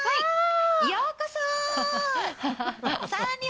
ようこそ！